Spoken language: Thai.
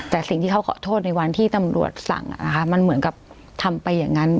แต่สิ่งที่เขาขอโทษในวันที่ตำรวจสั่งมันเหมือนกับทำไปอย่างนั้น